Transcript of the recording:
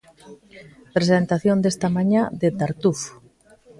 Presentación desta mañá de 'Tartufo'.